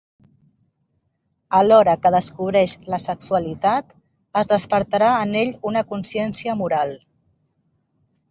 Alhora que descobreix la sexualitat, es despertarà en ell una consciència moral.